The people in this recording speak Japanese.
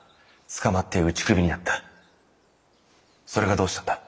それがどうしたんだ？